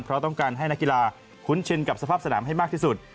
เพราะต้องการให้นักกีฬาคุ้นชินกับสภาพสนามให้มากที่สุด